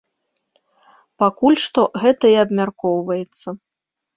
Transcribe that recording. Пакуль што гэта і абмяркоўваецца.